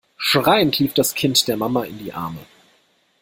Schreiend lief das Kind der Mama in die Arme.